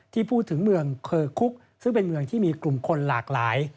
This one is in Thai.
ที่พูดถึงเมืองเคอร์คุกซึ่งเป็นเมืองที่มีกลุ่มคนหลากหลาย